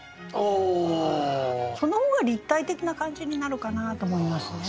その方が立体的な感じになるかなと思いますね。